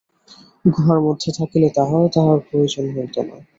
গুহার মধ্যে থাকিলে তাহাও তাঁহার প্রয়োজন হইত না।